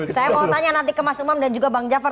saya mau tanya nanti ke mas umam dan juga bang jafar